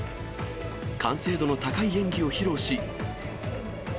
完成度の高い演技を披露し。